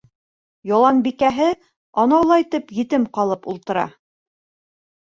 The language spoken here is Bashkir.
Яланбикәһе анаулайтып етем калып ултыра.